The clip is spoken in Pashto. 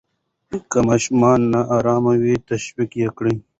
که ماشوم نا آرامه وي، تشویق یې کړئ.